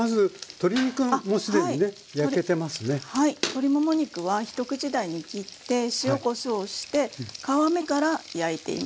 鶏もも肉は一口大に切って塩・こしょうをして皮目から焼いています。